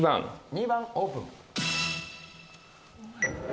２番オープン。